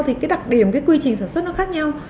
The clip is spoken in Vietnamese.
thì cái đặc điểm cái quy trình sản xuất nó khác nhau